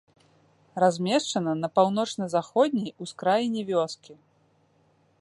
Размешчана на паўночна-заходняй ускраіне вёскі.